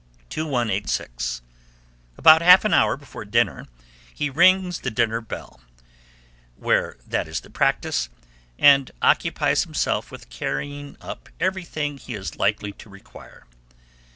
2186. About half an hour before dinner, he rings the dinner bell, where that is the practice, and occupies himself with carrying up everything he is likely to require.